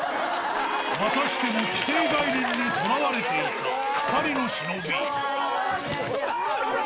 またしても既成概念にとらわれていた２人の忍。